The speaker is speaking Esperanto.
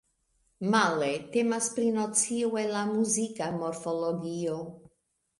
Male temas pri nocio el la muzika morfologio.